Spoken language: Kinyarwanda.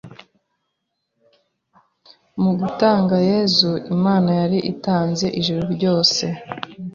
Mu gutanga Yesu, Imana yari itanze ijuru ryose